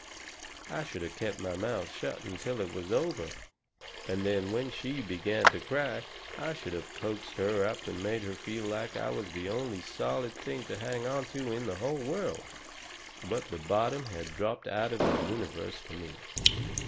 I should have kept my mouth shut until it was all over, and then when she began to cry I should have coaxed her up and made her feel like I was the only solid thing to hang on to in the whole world. "But the bottom had dropped out of the universe for me.